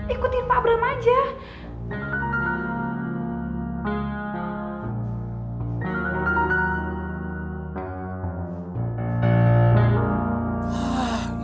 ikutin pak bram aja